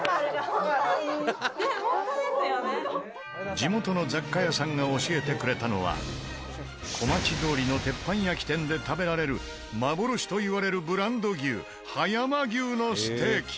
地元の雑貨屋さんが教えてくれたのは小町通りの鉄板焼き店で食べられる幻といわれるブランド牛葉山牛のステーキ。